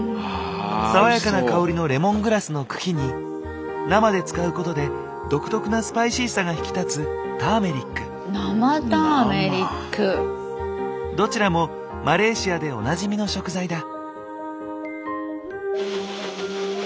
爽やかな香りのレモングラスの茎に生で使うことで独特なスパイシーさが引き立つどちらもマレーシアでおなじみの食材だ。